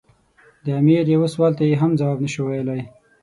د امیر یوه سوال ته یې هم ځواب نه شو ویلای.